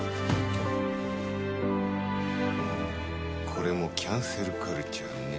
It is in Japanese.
これもキャンセルカルチャーね。